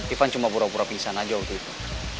ivan cuma pura pura pingsan aja waktu itu